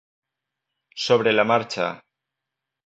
Sobre la marxa.